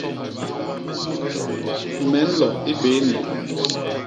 Me nlo i béni.